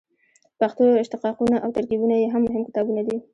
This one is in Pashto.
پښتو اشتقاقونه او ترکیبونه یې هم مهم کتابونه دي.